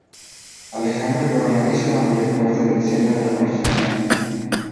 Alejandro Ibarra hizo la mayor parte del diseño de la construcción.